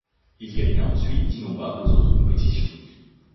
Il gagna ensuite d'innombrables autres compétitions.